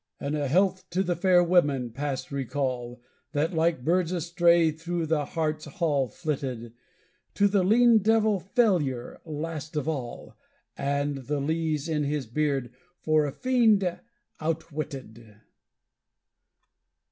And a health to the fair women, past recall, That like birds astray through the heart's hall flitted; To the lean devil Failure last of all, And the lees in his beard for a fiend outwitted!